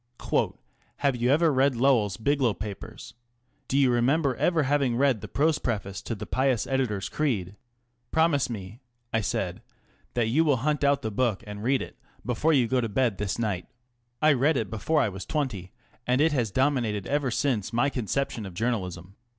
" Have you ever read Lowell's ' Biglow Papers '? Do you remember ever having read the prose preface to ' The Pious Editor's Creed '?" Mr. Hearst did not remember. " Promise me," I said, that you will hunt out the book and read it before you go to bed this night. I read it before I was twenty, and it has dominated ever since my conception of journalism.